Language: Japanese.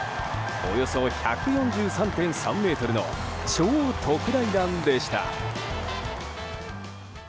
およそ１４３．３ｍの超特大弾でした。